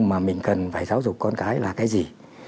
mà mình cần phải giáo dục con cái là cái gì